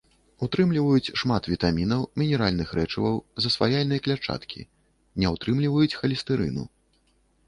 Утрымліваюць шмат вітамінаў, мінеральных рэчываў, засваяльнай клятчаткі, не ўтрымліваюць халестэрыну.